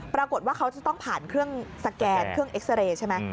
ปรากฏว่าเขาจะต้องผ่านเครื่องสแกนเครื่องเอ็กซาเรย์ใช่ไหม